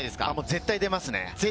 絶対出ますね。